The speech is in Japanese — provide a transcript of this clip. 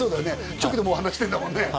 直でもう話してんだもんね